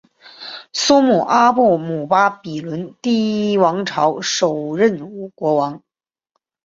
苏姆阿布姆巴比伦第一王朝首任国王。